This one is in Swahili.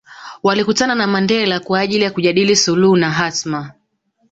Walikutana na Mandela kwa ajili kujadili suluhu na hatma